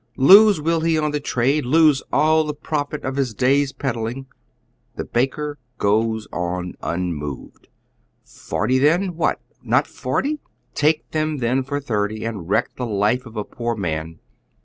Lose, will lie, on the trade, lose all the profit of his day's pediing. The baker goes on unmoved. Forty then 'i What, not forty? Take them then for thirty, and wreck the life of a poor man.